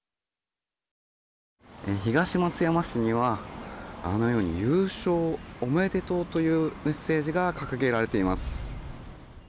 東松山市には、あのように優勝おめでとう！というメッセージが掲げられています。